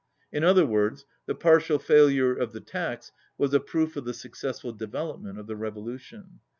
In other words, the partial failure of the tax was a proof of the successful development of the revolution.